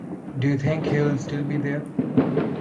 Do you think he will still be there?